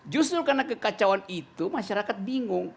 justru karena kekacauan itu masyarakat bingung